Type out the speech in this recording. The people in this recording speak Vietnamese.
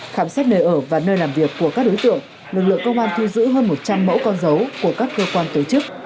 khám xét nơi ở và nơi làm việc của các đối tượng lực lượng công an thu giữ hơn một trăm linh mẫu con dấu của các cơ quan tổ chức